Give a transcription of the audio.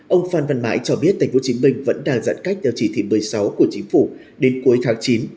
ông phan văn mãi cho biết tp hcm vẫn đang giãn cách theo chỉ thị một mươi sáu của chính phủ đến cuối tháng chín